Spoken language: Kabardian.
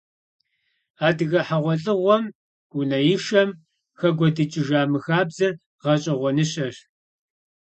Адыгэ хьэгъуэлӀыгъуэм, унэишэм хэкӀуэдыкӀыжа мы хабзэр гъэщӀэгъуэныщэщ.